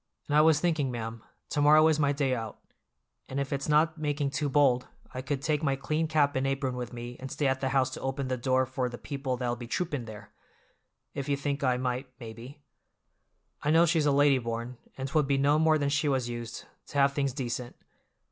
And I was thinking, ma'am, to morrow is my day out, and if it's not making too bold I could take my clean cap and apron with me and stay at the house to open the door for the people that'll be troopin' there—if you think I might, maybe. I know she's a lady born, and 'twould be no more than she was used, to have things dacent."